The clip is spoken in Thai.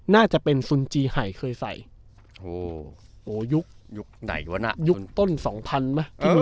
น่าจะเป็นสุนจีไห่เคยใส่โถโอ้ยุคยุคไหนวะนะยุคต้นสองพันไหม